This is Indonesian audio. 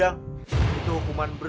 yang kecil kenapa bener bener